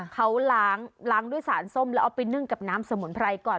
เขาล้างล้างด้วยสารส้มแล้วเอาไปนึ่งกับน้ำสมุนไพรก่อน